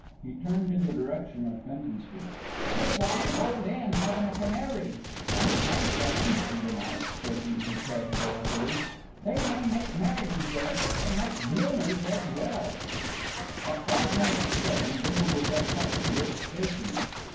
He turned in the direction of Fenton Street. "It's like an old 'en 'avin' a canary. Funny place 'eaven," he remarked, shaking his head dolefully. "They may make marriages there, but they make bloomers as well." At five minutes to seven Bindle was at Putney Bridge Station.